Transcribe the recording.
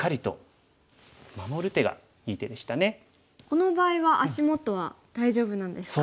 この場合は足元は大丈夫なんですか？